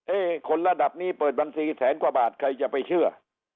คนระดับนี้เปิดบัญชีแสนกว่าบาทใครจะไปเชื่อ